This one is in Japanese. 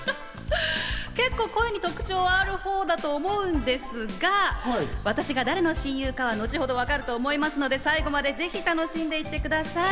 結構、声に特徴あるほうだと思うんですが、私が誰の親友かは後ほど分かると思いますので、最後までぜひ楽しんでいってください。